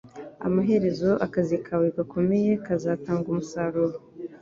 Amaherezo, akazi kawe gakomeye kazatanga umusaruro. ”